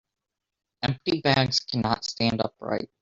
Empty bags cannot stand upright.